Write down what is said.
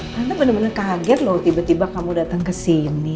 tante bener bener kaget loh tiba tiba kamu datang kesini